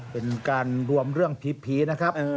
เป็นการรวมเรื่องผีนะครับ